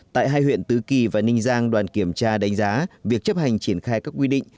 tại hai huyện tứ kỳ và ninh giang đoàn kiểm tra đánh giá việc chấp hành triển khai các quy định